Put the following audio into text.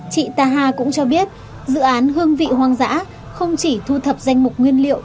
chị ta cũng cho biết dự án hương vị hoang dã không chỉ thu thập danh mục nguyên liệu